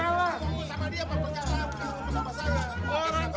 kita buatkan perjalanan ini sama dia atau perjalanan sama saya